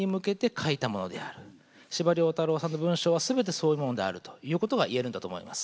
司馬太郎さんの文章は全てそういうものであるということが言えるんだと思います。